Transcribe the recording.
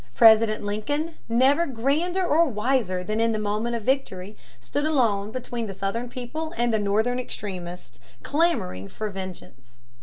President Lincoln, never grander or wiser than in the moment of victory, alone stood between the Southern people and the Northern extremists clamoring for vengeance.